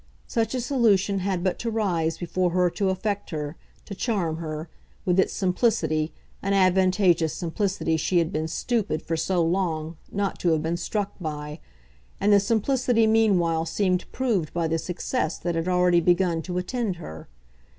Such a solution had but to rise before her to affect her, to charm her, with its simplicity, an advantageous simplicity she had been stupid, for so long, not to have been struck by; and the simplicity meanwhile seemed proved by the success that had already begun to attend her.